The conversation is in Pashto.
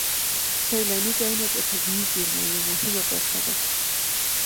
سیلاني ځایونه د طبیعي زیرمو یوه مهمه برخه ده.